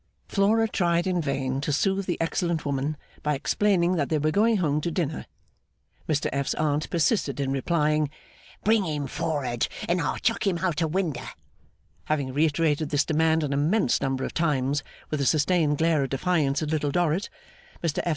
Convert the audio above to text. Flora tried in vain to soothe the excellent woman by explaining that they were going home to dinner. Mr F.'s Aunt persisted in replying, 'Bring him for'ard and I'll chuck him out o' winder!' Having reiterated this demand an immense number of times, with a sustained glare of defiance at Little Dorrit, Mr F.